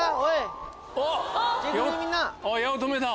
八乙女だ！